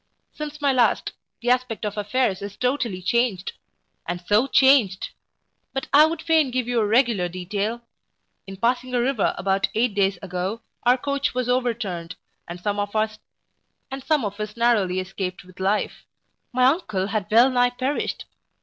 Since my last, the aspect of affairs is totally changed! and so changed! but I would fain give you a regular detail In passing a river about eight days ago, our coach was overturned, and some of us narrowly escaped with life My uncle had well nigh perished.